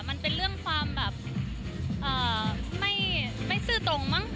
มันเป็นเรื่องความแบบไม่ซื่อตรงมั้ง